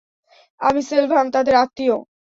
আমি সেলভাম, তাদের আত্মীয়।